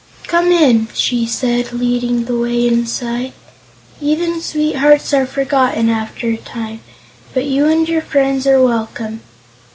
"Come in," she said, leading the way inside. "Even sweethearts are forgotten after a time, but you and your friends are welcome."